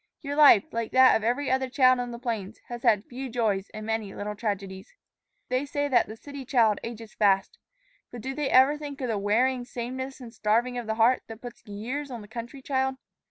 Your life, like that of every other child on the plains, has had few joys and many little tragedies. They say the city child ages fast; but do they ever think of the wearing sameness and starving of heart that puts years on the country child?